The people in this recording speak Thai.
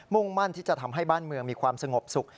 ่งมั่นที่จะทำให้บ้านเมืองมีความสงบสุข